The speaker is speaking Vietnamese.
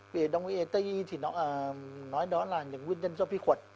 vì đồng ý tây y thì nó nói đó là nguyên nhân do phi khuẩn